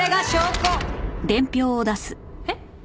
えっ？